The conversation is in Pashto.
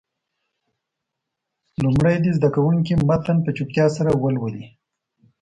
لومړی دې زده کوونکي متن په چوپتیا سره ولولي.